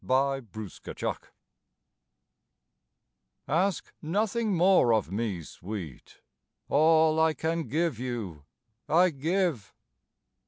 THE OBLATION ASK nothing more of me, sweet; All I can give you I give.